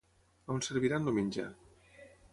On serviran el menjar?